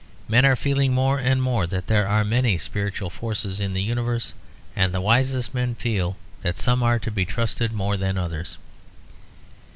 Men are feeling more and more that there are many spiritual forces in the universe, and the wisest men feel that some are to be trusted more than others.